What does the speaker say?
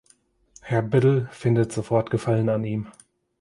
Herr Biddle findet sofort Gefallen an ihm.